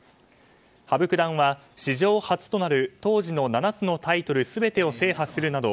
羽生九段は、史上初となる当時の７つのタイトル全てを制覇するなど